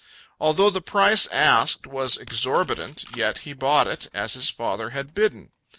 Although the price asked was exorbitant, yet he bought it, as his father had bidden.